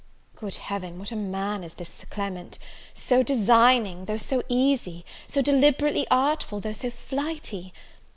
Good Heaven, what a man is this Sir Clement! So designing, though so easy; so deliberately artful, though so flighty!